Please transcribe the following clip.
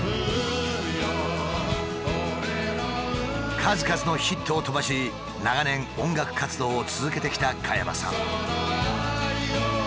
数々のヒットを飛ばし長年音楽活動を続けてきた加山さん。